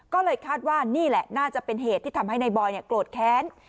ก็เลยคาดว่านี่แหละน่าจะเป็นเหตุที่ทำให้นายบอยโกรธแค้น